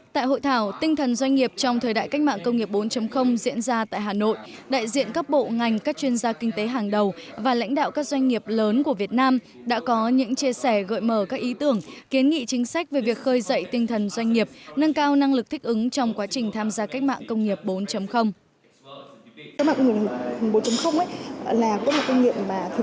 tại hội thảo tinh thần doanh nghiệp trong thời đại cách mạng công nghiệp bốn diễn ra tại hà nội đại diện các bộ ngành các chuyên gia kinh tế hàng đầu và lãnh đạo các doanh nghiệp lớn của việt nam đã có những chia sẻ gợi mở các ý tưởng kiến nghị chính sách về việc khơi dậy tinh thần doanh nghiệp nâng cao năng lực thích ứng trong quá trình tham gia cách mạng công nghiệp bốn